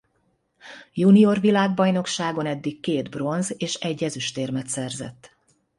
Junior világbajnokságon eddig két bronz- és egy ezüstérmet szerzett.